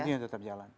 ini yang tetap jalan